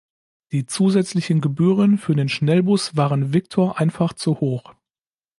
Die zusätzlichen Gebühren für den Schnellbus waren Victor einfach zu hoch.